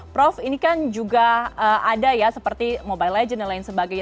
prof ini kan juga ada ya seperti mobile legends dan lain sebagainya